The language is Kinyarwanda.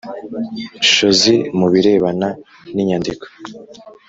shozi mu birebana n inyandiko